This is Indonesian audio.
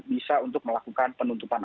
bisa untuk melakukan penuntutan